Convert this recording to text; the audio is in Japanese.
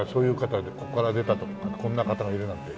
ここから出たとかこんな方がいるなんて。